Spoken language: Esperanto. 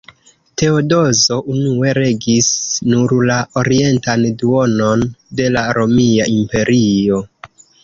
Teodozo unue regis nur la orientan duonon de la romia imperio.